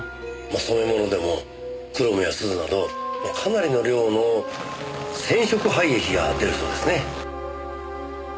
染め物でもクロムや錫などかなりの量の染色廃液が出るそうですね。